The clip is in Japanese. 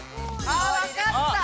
あわかった！